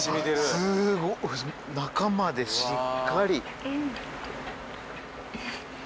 すごっ中までしっかり。